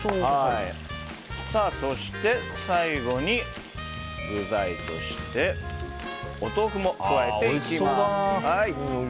そして、最後に具材としてお豆腐も加えていきます。